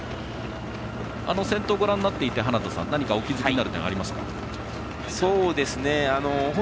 先頭をご覧になっていてお気付きになる点ありますか？